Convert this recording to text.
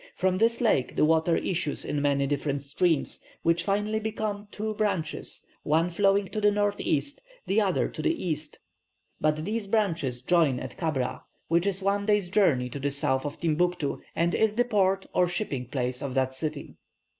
From this lake the water issues in many different streams, which finally become two branches, one flowing to the north east, the other to the east; but these branches join at Kabra, which is one day's journey to the south of Timbuctoo, and is the port or shipping place of that city.